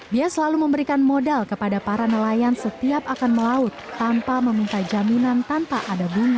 dia selalu memberikan modal kepada para nelayan setiap akan melaut tanpa meminta jaminan tanpa ada bunga